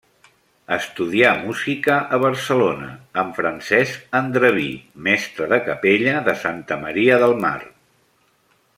Estudià música a Barcelona, amb Francesc Andreví, mestre de capella de Santa Maria del Mar.